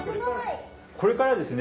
これからですね